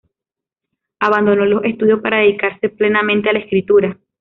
Abandonó los estudios para dedicarse plenamente a la escritura.